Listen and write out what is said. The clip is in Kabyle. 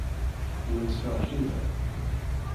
Wennseɣ jida.